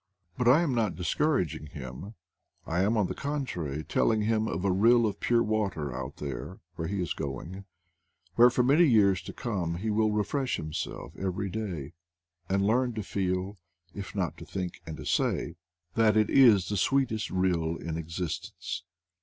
But I am not discouraging him; I am, on the contrary, telling him of a rill of pure water out there where he is going, where, for many years to come, he will refresh himself every day, and learn to feel (if not to think and to say) that it is the sweetest rill in existence.